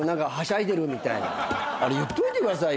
あれ言っといてくださいよ